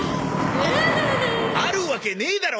あるわけねえだろ